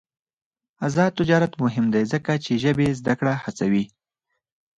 آزاد تجارت مهم دی ځکه چې ژبې زدکړه هڅوي.